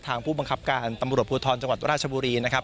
ผู้บังคับการตำรวจภูทรจังหวัดราชบุรีนะครับ